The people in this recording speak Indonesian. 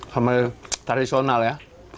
somen tradisional ya